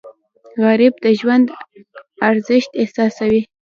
غریب د ژوند ارزښت احساسوي